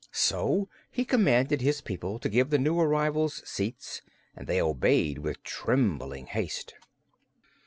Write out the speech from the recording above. So he commanded his people to give the new arrivals seats, and they obeyed with trembling haste.